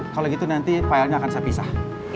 kalau gitu nanti filenya akan saya pisah